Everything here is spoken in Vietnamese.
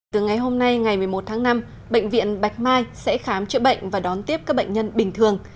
từ ngày hôm nay ngày một mươi một tháng năm bệnh viện bạch mai sẽ khám chữa bệnh và đón tiếp các bệnh nhân bình thường